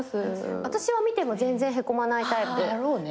私は見ても全然へこまないタイプ。だろうね。